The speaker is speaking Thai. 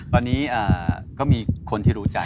ตอนนี้ก็มีคนที่รู้ใจ